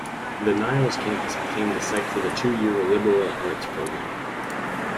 The Niles campus became the site for the two-year liberal arts program.